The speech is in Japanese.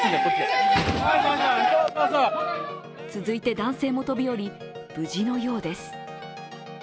続いて男性も飛び降り、無事のようです。